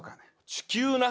地球な。